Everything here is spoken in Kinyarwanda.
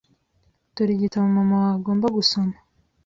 Dore igitabo mama wawe agomba gusoma.